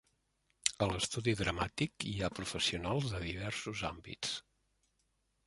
A l'Estudi dramàtic hi ha professionals de diversos àmbits.